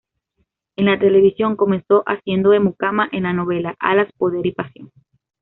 En la televisión comenzó haciendo de mucama en la novela "Alas, poder y pasión".